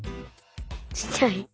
ちっちゃい。